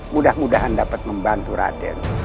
mudah mudahan dapat membantu raden